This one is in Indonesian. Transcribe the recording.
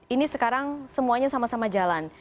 ini sekarang semuanya sama sama jalan